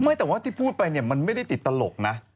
ไม่แต่ว่าที่พูดไปเนี่ยมันไม่ได้ติดตลกนะ